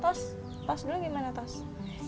tadi gimana tas dulu tadi gimana tas dulu